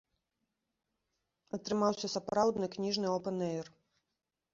Атрымаўся сапраўдны кніжны опэн-эйр.